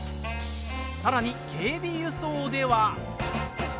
さらに、警備輸送では。